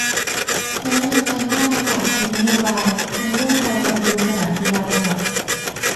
แล้วนำการบ้านมาฝากทีมนโยบาย ทั้งเรื่องการปรับปรุงสนามกีฬาจังหวัด